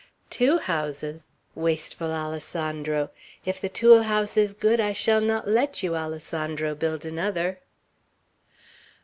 "Two houses! Wasteful Alessandro! If the tule house is good, I shall not let you, Alessandro, build another."